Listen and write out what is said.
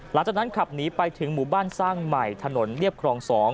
หลังจากนั้นขับหนีไปถึงหมู่บ้านสร้างใหม่ถนนเรียบครอง๒